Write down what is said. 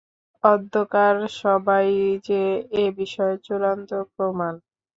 অদ্যকার সভাই যে এ-বিষয়ের চূড়ান্ত প্রমাণ।